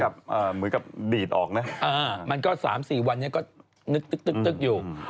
เหมือนกับดีดออกนะมันก็๓๔วันนี้ก็นึกตึ๊กอยู่